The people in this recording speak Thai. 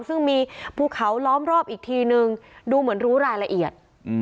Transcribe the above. ซึ่งมีภูเขาล้อมรอบอีกทีนึงดูเหมือนรู้รายละเอียด